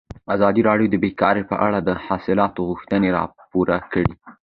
ازادي راډیو د بیکاري په اړه د اصلاحاتو غوښتنې راپور کړې.